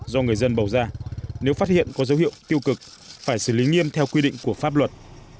do người dân bầu ra nếu phát hiện có dấu hiệu tiêu cực phải xử lý nghiêm theo quy định của pháp luật